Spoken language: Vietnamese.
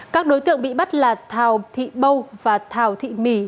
các đối tượng bị bắt là thào thị bâu và thào thị mì